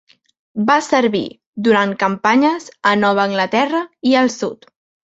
Va servir durant campanyes a Nova Anglaterra i el Sud.